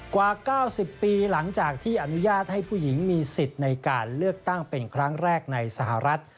กว่า๙๐ปีหลังจากที่อนุญาตให้ผู้หญิงมีสิทธิ์ในการเลือกตั้งเป็นครั้งแรกในสหรัฐ